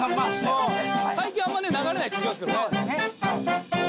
最近あんまね流れないって聞きますけど。